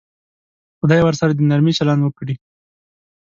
خدای ورسره د نرمي چلند وکړي.